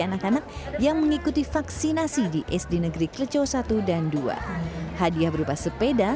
anak anak yang mengikuti vaksinasi di sd negeri kreco satu dan dua hadiah berupa sepeda